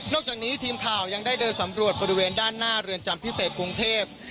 จากนี้ทีมข่าวยังได้เดินสำรวจบริเวณด้านหน้าเรือนจำพิเศษกรุงเทพ